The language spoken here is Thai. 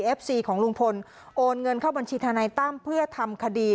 ของลุงพลโอนเงินเข้าบัญชีทนายตั้มเพื่อทำคดี